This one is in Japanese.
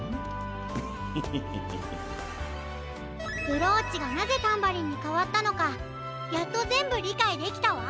ブローチがなぜタンバリンにかわったのかやっとぜんぶりかいできたわ。